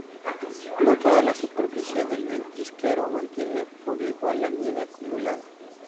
No toda la superficie del ventisquero mantiene por igual la nieve acumulada.